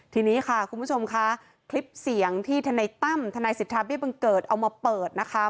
ทีนี้ค่ะคุณผู้ชมค่ะคลิปเสียงที่ทนายตั้มทนายสิทธาเบี้บังเกิดเอามาเปิดนะคะ